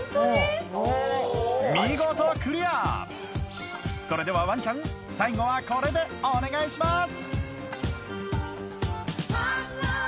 見事クリアそれではワンちゃん最後はこれでお願いします！